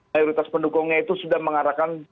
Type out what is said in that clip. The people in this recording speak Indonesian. mayoritas pendukungnya itu sudah mengarahkan